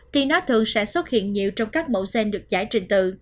thì nó thường sẽ xuất hiện nhiều trong các mẫu gen được giải trình từ